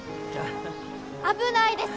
危ないです！